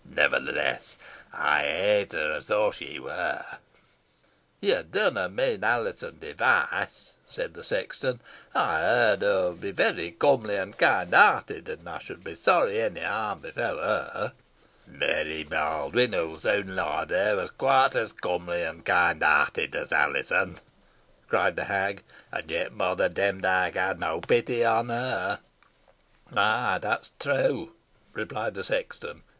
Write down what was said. Nevertheless, I hate her as though she were." "Yo dunna mean Alizon Device?" said the sexton. "Ey ha' heerd say hoo be varry comely an kind hearted, an ey should be sorry onny harm befell her." "Mary Baldwyn, who will soon lie there, was quite as comely and kind hearted as Alizon," cried the hag, "and yet Mother Demdike had no pity on her." "An that's true," replied the sexton.